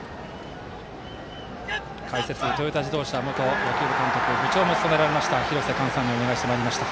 解説、トヨタ自動車野球部元監督部長も務められました廣瀬寛さんにお願いしてまいりました。